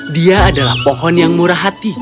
dia adalah pohon yang murah hati